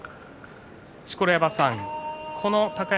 錣山さん、この高安